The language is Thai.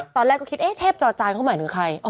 ตอนแรกก็คิดเอ๊ะเทพจอจานเขาหมายถึงใคร